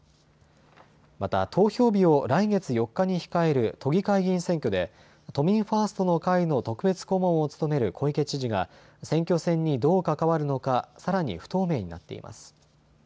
また投票日を来月４日に控える都議会議員選挙で都民ファーストの会の特別顧問を務める小池知事が選挙戦にどう関わるのかさらに不透明になっています。